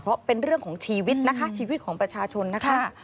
เพราะเป็นเรื่องของชีวิตนะคะชีวิตของประชาชนนะคะ